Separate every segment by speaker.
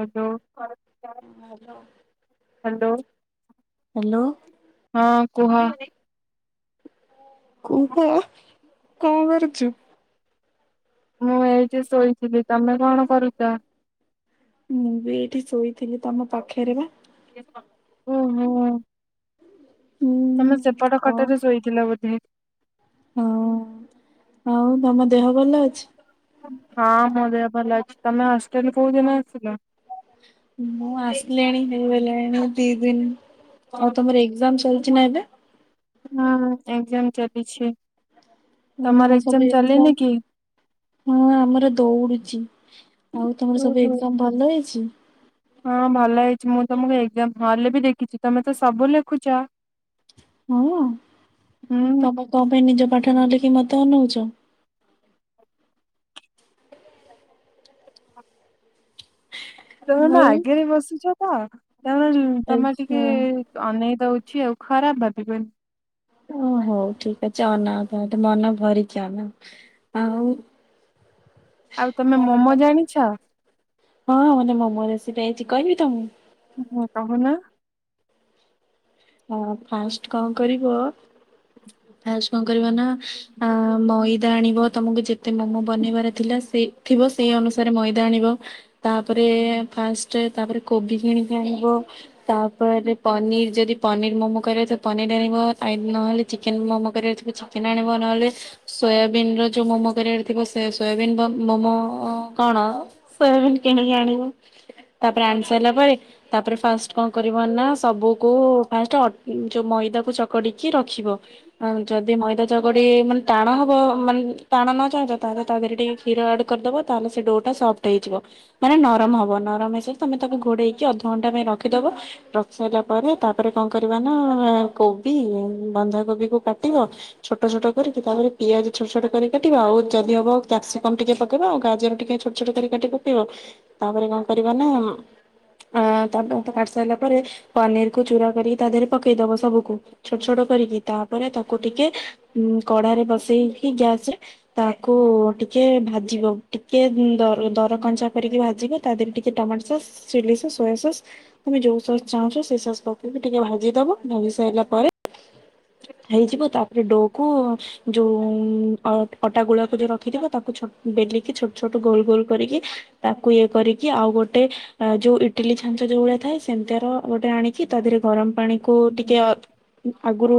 Speaker 1: Hello
Speaker 2: hello
Speaker 1: hello. ହଁ କୁହ।
Speaker 2: କୁହ କଣ କରୁଚୁ?
Speaker 1: ମୁଁ ଏଇଠି ଶୋଇଥିଲି, ତମେ କଣ କରୁଛ?
Speaker 2: ମୁଁ ବି ଏଇଠି ଶୋଇଥିଲି ତମ ପାଖରେ ବା।
Speaker 1: ଓହୋ।
Speaker 2: ହୁଁ
Speaker 1: ତମେ ସେପଟ
Speaker 2: ଆଉ
Speaker 1: ଖଟରେ ଶୋଇଥିଲ ବୋଧେ।
Speaker 2: ହଁ ଆଉ ତମ ଦେହ ଭଲ ଅଛି?
Speaker 1: ହଁ ମୋ ଦେହ ଭଲ ଅଛି, ତମେ ହଷ୍ଟେଲରେ କୋଉଦିନ ଆସିଲ?
Speaker 2: ମୁଁ ଆସିଲିଣି ହେଇଗଲାଣି ଦି ଦିନ, ଆଉ ତମର ଏକ୍ଜାମ ଚାଲିଛି ନା ଏବେ?
Speaker 1: ହଁ ଏକଜାମ ଚାଲିଛି।
Speaker 2: ହ
Speaker 1: ତମର
Speaker 2: ହଁ ସବୁ
Speaker 1: ଏକ୍ଜାମ
Speaker 2: ଏଗ୍ ଜମ
Speaker 1: ଚାଲିନି କି?
Speaker 2: ହଁ ଆମର ଦୌଡୁଛି ଆଉ ତମର ସବୁ
Speaker 1: ଓହୋ
Speaker 2: ଏଜାମ ଭଲ ହେଇଛି।
Speaker 1: ହଁ ଭଲ ହେଇଛି ମୁଁ ତମକୁ ଏଜାମ ହଲ ବି ଦେଖିଛି ତମେ ତ ସବୁ ଲେଖୁଛ।
Speaker 2: ହଁ
Speaker 1: ହୁଁ
Speaker 2: ତମେ କ ପାଇଁ ନିଜ ପାଠ ନହେଲେ କିି ମତେ ଅନଉଛ।
Speaker 1: ତମେ ମୋ
Speaker 2: ଆଉ
Speaker 1: ଆଗରେ ବସୁଛ ତ ତାମାନେ ତମେ ଟିକେ
Speaker 2: ଆଚ୍ଛା
Speaker 1: ଅନେଇ ଦଉଛି ଆଉ ଖରାପ ଭାବିବନି।
Speaker 2: ଓ ହଉ ଠିକ ଅଛି ଅନାଅ ତାହେଲେ ମନ ଭରିକି ଅନାଅ ଆଉ।
Speaker 1: ଆଉ ତମେ ମୋମୋ ଜାଣିଛ
Speaker 2: [inaudible] ହଁ ମତେ ମୋମୋ ରେସିପିି ଆଇଚି କହିବି ତମକୁ।
Speaker 1: ହୁଁ କହୁନ।
Speaker 2: ହଁ ଫାଷ୍ଟ କଣ କରିବ, ଫାଷ୍ଟ କଁ କରିବ ନା। ଆ ମଇଦା ଆଣିବ ତମକୁ ଯେତେ ମୋମୋ ବନେଇବାର ଥିଲା ସେ ଥିବ ସେଇ ଅନୁସାରେ ମଇଦା ଆଣିବ। ତାପରେ ଫାଷ୍ଟ ତାପରେ କୋବି କିଣି କି ଆଣିବ। ତାପରେ ପନିର ଯଦି ପନିର୍ ମୋମୋ କରଥିବ ପନିର୍ ଆଣିବ ଆଇ ନହେଲେ ଚିକେନ ମୋମୋ କରଥିବେ ଚିକେନ୍ ଆଣିବ ନହେଲେ ସୋୟାବିିନ ର ଯୋଉ ମୋମୋ କରିବାର ଥିବ ସେ ସୋୟାବନ ମୋମୋ କଣ ସୋୟାବିିନ କିଣିକି ଆଣିବ। ତାପରେ ଆଣସାଇଲା ପରେ ତାପରେ ଫାଷ୍ଟ କଣ କରିବ ନା ସବୁକୁ ଫାଷ୍ଟ ଅ ମଇଦାକୁ ଚକଡିକି ରଖିବ। ଆଉ ଯଦି ମଇଦା ଚକଟି ମାନେ ଟାଣ ହବ ମାନେ ଟାଣ ନ ଚାହୁଁଛ ତାେ ତା ଦେହରେ ଟିକେ କ୍ଷୀର ଆଡ଼୍ କରିଦବ ତାହେଲେ ସେ ଡୋଟା ସଫ୍ଟ ହେଇଯିବ। ମାନେ ନରମ ହବ ନରମ ହେଇ ଶାଇଲେତମେ ତାକୁ ଘୋଡେଇକି ଅଧଘଣ୍ଟା ପାଇଁ ରଖିଦବ ରଖସାଇଲା ପରେ ତା ତାପରେ କଣ କରିବା ନା କୋବି ବନ୍ଧାକୋବି କୁ କାଟିବ। ଛୋଟ ଛୋଟ କରିକି ତାପରେ ପିଆଜ ଛୋଟ ଛୋଟ କରି କାଟିବା ଆଉ ଯଦି ହବ କ୍ୟାପସିକମ୍ ଟିକେ ପକେଇବା ଆଉ ଗାଜର ଟିକେ ଛୋ ଛୋଟ କରି କାଟି ପକେଇବ ତାପରେ କଣ କରିବା ନା ହଁ ତାପରେ [unintelligible] କାଟି ସାରିଲା ପରେ ପନିର୍ ତାକୁ ଚୁରା କରିକି ତା ଦେହରେ ପକେଇଦବ ସବୁକୁ ଛୋଟ-ଛୋଟ କରିକି ତାପରେ ତାକୁ ଟିକେ ଉଁ କଡ଼ା ରେ ବସେଇ କି ଗ୍ୟାସ୍ ରେ ତାକୁ ଟିକେ ଭାଜିବ, ଟିକେ ଦର ଦରକଞ୍ଚା କରିକି ଭାଜିବ। ତା ଦେରେ ଟିକେ tomato sauce, chilli sauce, soya sauce ତମେ ଯୋଉ ସସ୍ ଚାହୁଁଚ ସେଇ ସସ୍ ପକେଇକି ଟିକେ ଭାଜିଦବ ଭାଜି ସାଇଲା ପରେ ହେଇଯିବ, ତାପରେ ଡୋକୁ ଯୋଉ ଅ ଅଟା ଗୁଳାକୁ ଯୋଉ ରଖିଥିବ, ତାକୁ ଛୋ ବେଲିକି ଛୋଟ-ଛୋଟ ଗୋଲ୍-ଗୋଲ୍ କରିକି ତାକୁ ଇଏ କରିକି ଆଉ ଗୋଟେ ଆ ଯୋଉ ଇଟିଲି ଛାଞ୍ଚ ଯୋଉ ଭଳିଆ ଥାଏ ସେମ୍ତିଆର ଗୋଟେ ଆଣି କି ତା ଦେରେ ଗରମ୍ ପାଣିକୁ ଟିକେ ଆଗୁରୁ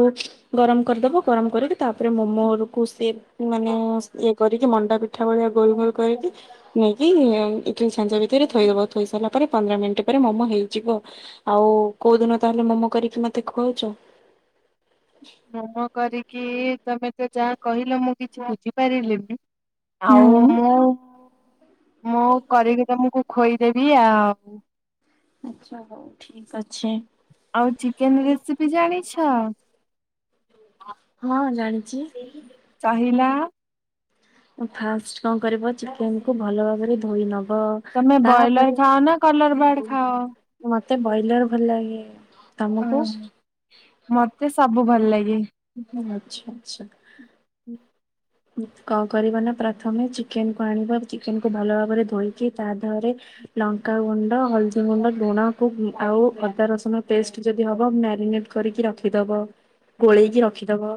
Speaker 2: ଗରମ୍ କରିଦବ, ଗରମ୍ କରିକି ତାପରେ ମୋମୋର୍ କୁ ସେ ମାନେ [unintelligible] କରିକି ମଣ୍ଡା ପିଠା ଭଳିଆ ଗୋଲ୍-ଗୋଲ୍ କରିକି ନେଇକି ଇଟିଲି ଛାଞ୍ଚ ଭିତେରେ ଥୋଇଦବ, ଥୋଇ ସାରିଲା ପରେ ପନ୍ଦର ମିନିଟ୍ ପରେ ମୋମୋ ହେଇଯିବ। ଆଉ କୋଉଦିନ ତାହେଲେ ମୋମୋ କରିକି ମତେ ଖୁଆଉଚ?
Speaker 1: ମୋମୋ କରିକି ତମେ ତ ଯାହା କହିଲ ମୁଁ କିଛି ବୁଝିପାରିଲିିନି। ଆଉ
Speaker 2: ହୁଁ
Speaker 1: ମୁଁ-ମୁଁ କରିକି ତମୁକୁ ଖୋଇଦେବି ଆଉ।
Speaker 2: ଆଚ୍ଛା ହଉ ଠିକ୍ ଅଛି।
Speaker 1: ଆଉ ଚିକେନ୍ ରେସିପି ଜାଣିଛ?
Speaker 2: ହଁ ଜାଣିଚି।
Speaker 1: କହିିଲ।
Speaker 2: ଫାଷ୍ଟ୍ କଣ କରିବ ଚିକେନ୍ କୁ ଭଲ ଭାବରେ ଧୋଇ ନବ।
Speaker 1: ତମେ ବଏଲର୍
Speaker 2: ତାପରେ
Speaker 1: ଖାଅ ନା କଲର୍ ବାର୍ଡ ଖାଅ?
Speaker 2: ମତେ ବଏଲର୍ ଭଲ୍ ଲାଗେ। ତମକୁ?
Speaker 1: ମତେ ସବୁ ଭଲ୍ ଲାଗେ।
Speaker 2: [unintelligible] ଆଚ୍ଛା-ଆଚ୍ଛା।
Speaker 1: ହୁଁ।
Speaker 2: କଣ କରିବ ନା ପ୍ରଥମେ ଚିକେନ୍ କୁ ଆଣିବା ଚିକେନ୍ କୁ ଭଲ ଭାବରେ ଧୋଇକି ତା ଦେହରେ ଲଙ୍କା ଗୁଣ୍ଡ, ହଳଦୀ ଗୁଣ୍ଡ, ଲୁଣ କୁ ଆଉ ଅଦା ରସୁଣ ପେଷ୍ଟ ଯଦି ହବ ମ୍ୟାରିନେଟ୍ କରିକି ରଖିଦବ। ଗୋଳେଇକି ରଖିଦବ,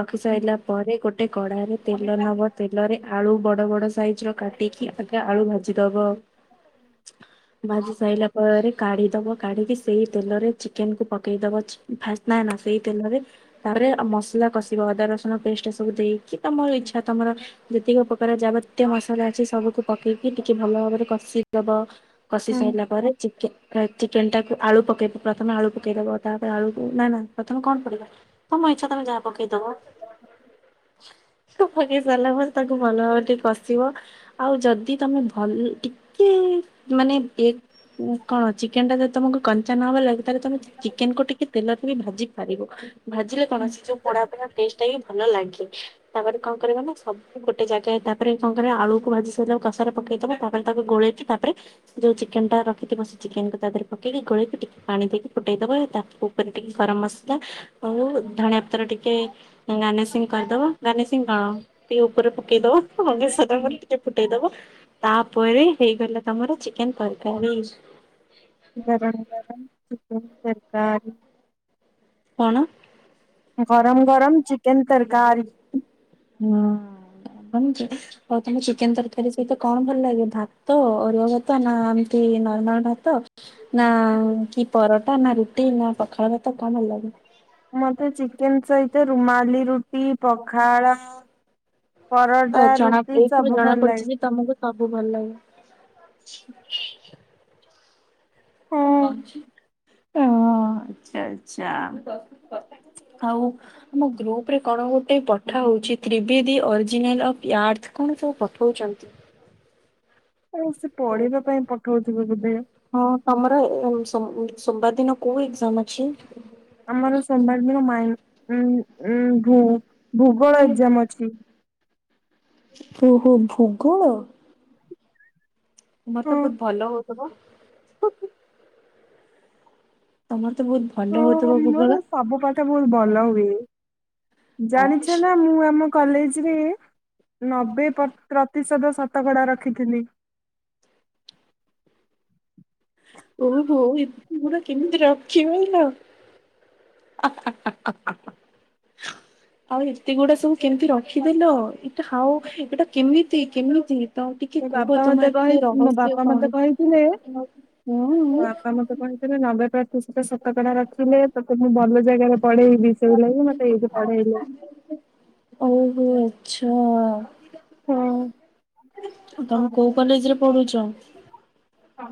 Speaker 2: ରଖି ସାଇଲା ପରେ ଗୋଟେ କଡାରେ ତେଲ ନବ, ତେଲରେ ଆଳୁ ବଡ-ବଡ ସାଇଜ୍ ର କାଟିକି ଆଗେ ଆଳୁ ଭାଜିଦବ। ଭାଜିି ସାଇଲା ପରେ କାଢ଼ି ଦବ, କାଢ଼ିକି ସେଇ ତେଲରେ ଚିକେନ୍ କୁ ପକେଇଦବ ଫାଷ୍ଟ ନା-ନା ସେଇ ତେଲରେ ତାପରେ ମସଲା କଷିବ ଅଦା ରସୁଣ ପେଷ୍ଟ ସବୁ ଦେଇକି ତମ ଇଛା ତମର ଯେତିକି ପକାର ଯାବତ୍ୟ ମସଲା ଅଛି ସବୁକୁ ପକେଇକି ଟିକେ ଭଲ ଭାବରେ କଷିଦବ। କଷି ସାଇଲା ପରେ ଚିକେନ୍ [unintelligible] ଚିକେନ୍ ଟାକୁ ଆଳୁ ପକେଇବ ପ୍ରଥମେ ଆଳୁ ପକେଇଦବ, ତାପରେ ଆଳୁକୁ ନାଁ-ନାଁ ପ୍ରଥମେ କଣ ପଡ଼ିବ? ତମ ଇଚ୍ଛା ତମେ ଯହା ପକେଇଦବ। ପକେଇ ସାରିଲା ପରେ ତାକୁ ଭଲ ଭାବରେ ଟିକେ କସିବ, ଆଉ ଯଦି ତମେ ଭଲ ଟି କେ ମାନେ ଏ କଣ ଚିକେନ୍ ଟା ଯଦି ତମକୁ କଞ୍ଚା ନ ଭଲ ଲାଗେ ତାହେଲେ ତମେ ଚିକେନ୍ କୁ ଟିକେ ତେଲରେ ବି ଭାଜି ପାରିବ। ଭାଜିଲେ କଣ ସେଯୋଉ ପୋଡା-ପୋଡା ଟେଷ୍ଟଟା ହିଁ ଭଲ ଲାଗେ। ତାପରେ କଣ କରିବ ନା ସବୁ ଗୋଟେ ଜାଗା ତାପରେ କଣ କରିବ ଆଳୁକୁ ଭାଜି ସାରିଲ କଂସାରେ ପକେଇଦବ ତାପରେ ତାକୁ ଗୋଳେଇକି ତାପରେ ଯୋଉ ଚିକେନ୍ ଟା ରଖିଥିବ ସେ ଚିକେନ୍ ତାଦେରେ ପକେଇକି ଗୋଳେଇକି ଟିକେ ପାଣି ଦେଇକି ଫୁଟେଇ ଦବ, ତା ଉପରେ ଟିକେ ଗରମ୍ ମସଲା ଆଉ ଧଣିଆ ପତର ଟିକେ ଗାର୍ନିଶିଂ କରିଦବ। ଦାନିସିଙ୍ଗ କଣ ଟିକେ ଉପରେ ପକେଇଦବ [unintelligible] ଟିକେ ଫୁଟେଇଦବ। ତାପରେ ହେଇଗଲା ତମର ଚିକେନ୍ ତରକାରୀ।
Speaker 1: [unintelligible]
Speaker 2: କଣ?
Speaker 1: ଗରମ ଗରମ ଚିକେନ୍ ତରକାରୀ।
Speaker 2: ହଁ ତମେ ଚିକେ ଆଉ ତମେ ଚିକେନ ତରକାରୀ ସହିତ କଣ ଭଲ ଲାଗେ ଭାତ, ଅରୁଆଭାତ, ନା ଏମତି ନର୍ମାଲ ଭାତ। ନା କି ପରଟା ନା ରୁଟି ନା ପଖାଳ ଭାତ କଣ ଭଲ ଲାଗେ?
Speaker 1: ମତେ ଚିକେନ୍ ସହିତ ରୁମାଲି ରୁ ଟି, ପଖାଳ,
Speaker 2: ତ
Speaker 1: ପରଟା,
Speaker 2: ଜଣା
Speaker 1: ରୁଟି
Speaker 2: ଏଇଥିରୁ
Speaker 1: ସବୁ
Speaker 2: ଜଣା
Speaker 1: ଭଲ
Speaker 2: ପଡୁଛି
Speaker 1: ଲାଗେ।
Speaker 2: ଯେ ତମକୁ ସବୁ ଭଲ ଲାଗେ। କଣ ହୋଉଛି? ଏ ହଁ ଆଚ୍ଛା ଆଚ୍ଛା, ଆଉ ଆମ ଗ୍ରୁପରେ କଣ ଗୋଟେ ପଠାହଉଛି ତ୍ରିବେଦୀ ଅରିଜିନାଲ ୟାର୍ଥ କଣ ସବୁ ପଠଉଛନ୍ତି?
Speaker 1: ଆଉ ସେ ପଢ଼ିବା ପାଇଁ ପଠଉଥିବେ ବୋଧେ।
Speaker 2: ହଁ ତମର ଏ ସୋମ୍ ସୋମବାର ଦିନ କୋଉ ଏକ୍ଜାମ୍ ଅଛି?
Speaker 1: ଆମର ସୋମବାର ଦିନ ମାଇନ୍ ଉଁ ଉଁ ଭୂ ଭୂଗୋଳ ଏକ୍ଜାମ ଅଛି।
Speaker 2: ଓହୋ ଭୂଗୋଳ। ତମର ତ
Speaker 1: ହଁ
Speaker 2: ବହୁତ ଭଲ ହଉଥିବ। ତମର ତ ବହୁତ ଭଲ
Speaker 1: ହଁ
Speaker 2: ହଉଥିବ ଭୂଗୋଳ।
Speaker 1: ମୋର ସବୁ ପାଠ ବହୁତ ଭଲ ହୁଏ, ଜାଣିଛ
Speaker 2: ଆଚ୍ଛା
Speaker 1: ନା ମୁଁ ଆମ କଲେଜରେ ନବେ ପତ୍ ପ୍ରତିଶତ ଶତକଡା ରଖିଥିଲି।
Speaker 2: ଓହୋ ଏତେଗୁଡ଼ା କେମିତି ରଖିପାଇଲ? ଆଉ ଏତେଗୁଡ଼ା ସବୁ କେମତି ରଖିଦେଲ? ହଉ ଏଇଟା କେମିତି କେମିତି? ତ ଟିକେ
Speaker 1: ମୋ
Speaker 2: କୁହ
Speaker 1: ବାପା
Speaker 2: ତମ
Speaker 1: ମତେ କହି
Speaker 2: ଏତେ
Speaker 1: ମୋ
Speaker 2: ରହସ୍ୟ
Speaker 1: ବାପା ମତେ
Speaker 2: କଣ?
Speaker 1: କହିଥିଲେ
Speaker 2: ହଁ।
Speaker 1: ଆପଣ କେବେ ନବେ ପ୍ରତିଶତ ଶତକଡା ରଖିଲେ ତାକୁ ମୁଁ ଭଲ ଜାଗାରେ ପଢେଇବି। ସେଇଲାଗି ମତେ ଏଇଠି ପଢେଇଲେ।
Speaker 2: ଓହୋ ଆଚ୍ଛା। ତମେ କୋଉ କଲେଜରେ ପଢୁଛ?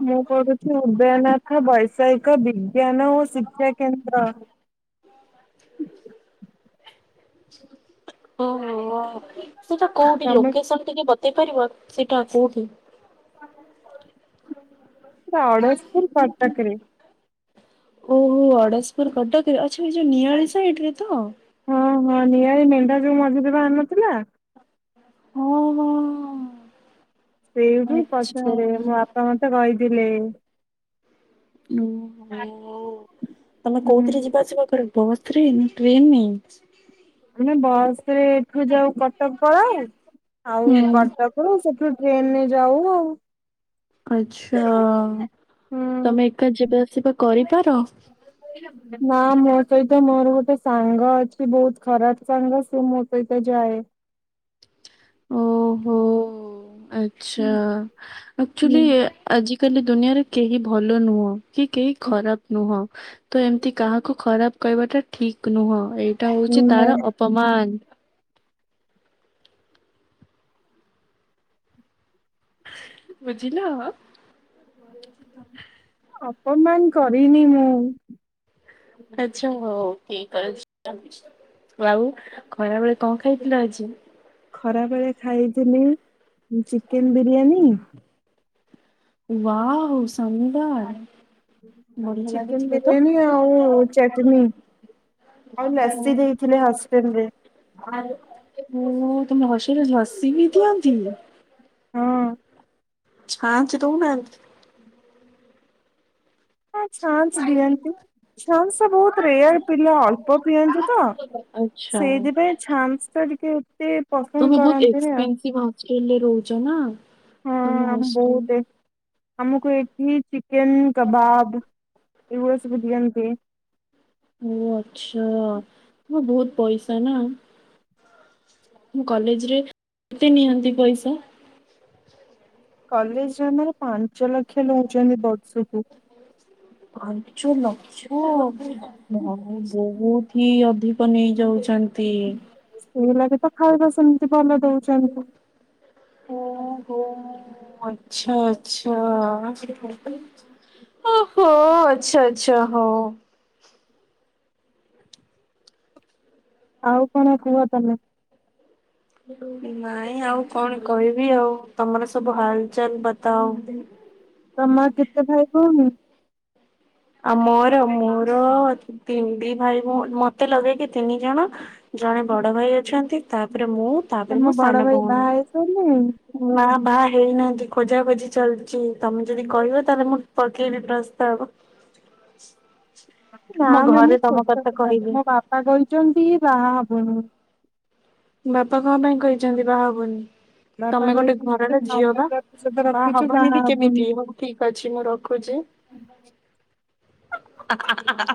Speaker 1: ମୁଁ ପଢୁଛି ଉଦୟନାଥ ବୈଷୟିକ ବିଜ୍ଞାନ ଓ ଶିକ୍ଷାକେନ୍ଦ୍ର।
Speaker 2: ଓହୋ ସେଟା କୋଉଠି
Speaker 1: ତମେ
Speaker 2: ଲୋକେସନ ଟିକେ ବତେଇ ପାରିବ ସେଇଟା କୋଉଠି?
Speaker 1: ଅଡ଼ଶପୁର କଟକରେ।
Speaker 2: ଓହୋ ଅଡ଼ଶପୁର କଟକରେ, ଆଚ୍ଛା ଏଇ ଯୋଉ ନିଆଳି ସାଇଡ଼ରେ ତ?
Speaker 1: ହଁ ହଁ ନିଆଳି ମେଣ୍ଢା ଯୋଉ ମଝିରେ ବାହାରିନଥିଲା।
Speaker 2: ହଁ ହଁ।
Speaker 1: ସେଇଠୁ
Speaker 2: ଆଚ୍ଛା।
Speaker 1: ପଛରେ ମୋ ବାପା ମତେ କହିଥିଲେ।
Speaker 2: ଓହୋ ତମେ
Speaker 1: ହୁଁ।
Speaker 2: କୋଉଥିରେ ଯିବା ଆସିବା କର? ବସରେ ନା ଟ୍ରେନରେ?
Speaker 1: ମାନେ ବସରେ ଏଠୁ ଯାଉ କଟକ ପଳାଉ ଆଉ
Speaker 2: ହୁଁ
Speaker 1: କଟକ ପଳଉ ସେଠୁ ଟ୍ରେନରେ ଯାଉ ଆଉ।
Speaker 2: ଆଚ୍ଛା
Speaker 1: ହୁଁ।
Speaker 2: ତମେ ଏକା ଯିବା ଆସିବା କରିପାର?
Speaker 1: [inaudible] ନା ମୋ ସହିତ ମୋର ଗୋଟେ ସାଙ୍ଗ ଅଛି ବହୁତ ଖରାପ ସାଙ୍ଗ ସେ ମୋ ସହିତ ଯାଏ।
Speaker 2: ଓହୋ ଆଚ୍ଛା, ଆକ୍ଚୁଲି ଆଜିକାଲି ଦୁନିଆରେ କେହି ଭଲ ନୁହଁ। କି କେହି ଖରାପ ନୁହଁ ତ ଏମତି କାହାକୁ ଖରାପ କହିବାଟା ଠିକ୍ ନୁହଁ। ଏଇଟା
Speaker 1: ହୁଁ
Speaker 2: ହେଉଛି ତାର ଅପମାନ। ବୁଝିଲ।
Speaker 1: ଅପମାନ କରିନି ମୁଁ।
Speaker 2: ଆଚ୍ଛା ହଉ ଠିକ ଅଛି ଆଉ ଖରାବେଳେ କଣ ଖାଇଥିଲ ଆଜି।
Speaker 1: ଖରାବେଳେ ଖାଇଥିଲି chicken biryani.
Speaker 2: Wow ସାନ୍ଦାର।
Speaker 1: [inaudible] Chicken biryani ଆଉ ଚଟନୀ। ଆଉ ଲସି ଦେଇଥିଲେ ହଷ୍ଟେଲରେ।
Speaker 2: ଓହୋ ତମ ହଷ୍ଟେଲରେ ଲାସି ବି ଦିଅନ୍ତି।
Speaker 1: ହଁ।
Speaker 2: ଛାଞ୍ଚ ଦଉନାହାନ୍ତି?
Speaker 1: ହଁ ଛାଞ୍ଚ ଦିଅନ୍ତି। ଛାନ୍ସଟା ବହୁତ ରେୟାର ପିଲା ଅଳ୍ପ ପିଅନ୍ତି ତ
Speaker 2: ଆଚ୍ଛା
Speaker 1: ସେଇଥିପାଇଁ ଛାନ୍ସ ଟା ଟିକେ ପସନ୍ଦ
Speaker 2: ତମେ ବହୁତ
Speaker 1: କରନ୍ତିନି ଆଉ
Speaker 2: ଏକ୍ସପେନସିଭ ହଷ୍ଟେଲରେ ରହୁଚ ନା? ତମ
Speaker 1: ହଁ ଆମ
Speaker 2: ହଷ୍ଟେଲ
Speaker 1: ବହୁତ ଏକ୍ସ ଆମକୁ ଏଠି ଚିକେନ କବାବ ଉଇଆ ସବୁ ଦିଅନ୍ତି।
Speaker 2: ଓ ଆଛା ତ ବହୁତ ପଇସା ନା। ଉଁ କଲେଜରେ କେତେ ନିଅନ୍ତି ପଇସା?
Speaker 1: କଲେଜରେ ଆମର ପାଞ୍ଚ ଲକ୍ଷ ନଉଛନ୍ତି ବର୍ଷୁକୁୁ।
Speaker 2: ପାଞ୍ଚ ଲ ହଁ ଭା ବହୁତ ହି ଅଧିକ ନେଇ ଯାଉଛନ୍ତି।
Speaker 1: ସେଇ ଲାଗି ତ ଖାଇବା ସେମିତି ଭଲ ଦଉଛି। ସେମତି।
Speaker 2: ଓ ହୋ ଆଚଛା ଆଚଛା। ଓ ହୋ ଆଚ୍ଛା ଆଚ୍ଛା ହଁ।
Speaker 1: ଆଉ କଣ କୁହ ତମେ।
Speaker 2: ନାଇଁ ଆଉ କଣ କହିବି ଆଉ ତମର ସବୁ ହାଲଚାଲ ବ
Speaker 1: ତମର କେତେ ଭାଇ ଭଉଣି?
Speaker 2: ଆଉ ମୋର ମୋର ତିନ ଦି ଭାଇ ଭ ମୋତେ ଲଗେଇକି ତିନି ଜଣ। ଜଣେ ବଡ ଭାଇ ଅଛନ୍ତି ତାପରେ ମୁଁ। ତାପରେ ମୋ
Speaker 1: ତମ
Speaker 2: ସାନ
Speaker 1: ବଡ ଭାଇ
Speaker 2: ଭଉଣୀ।
Speaker 1: ବାହା ହେଇସାରିଲଣି?
Speaker 2: ନା ବାହା ହେଇନାହାନ୍ତି ଖୋଜା ଖୋଜି ଚାଲିଛି ତମେ ଯଦି କହିବ ତାହେଲେ ମୁଁ ପକେଇବି ପ୍ରସ୍ତାବ
Speaker 1: ନା
Speaker 2: ମୋ
Speaker 1: ନା ମୁଁ
Speaker 2: ଘରେ ତମ
Speaker 1: ଛୋଟ
Speaker 2: କଥା
Speaker 1: ପିଲାଟେ
Speaker 2: କହିବି।
Speaker 1: ମୋ ବାପା କହିଛନ୍ତି ବାହା ହବୁନୁ।
Speaker 2: ବାପା କଣ ପାଇଁ କହିଛନ୍ତି ବାହା ହବନି?
Speaker 1: ବାପା
Speaker 2: ତମେ ଗୋଟେ
Speaker 1: କହିଛନ୍ତି ତୁ
Speaker 2: ଘରର ଝିଅ ବା
Speaker 1: ଅପେକ୍ଷା ତୁ ସହିତ
Speaker 2: ବାହା
Speaker 1: ରଖିଛୁ
Speaker 2: ହବନି ବି
Speaker 1: ହବୁନି।
Speaker 2: କେମିତି ହବ ଠିକ ଅଛି ମୁଁ ରଖୁଛି।